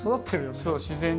そう自然に。